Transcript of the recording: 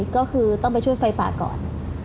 ก็คือต้องไปช่วยไฟป่าก่อน